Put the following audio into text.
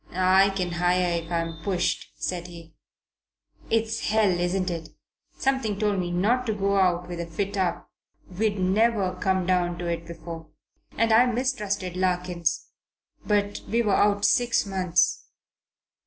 "I can hire if I'm pushed," said he. "It's hell, isn't it? Something told me not to go out with a fit up. We'd never come down to it before. And I mistrusted Larkins but we were out six months.